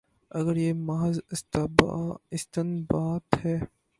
اگر یہ محض استنباط ہے۔